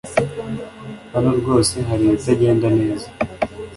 Hano rwose hari ibitagenda neza .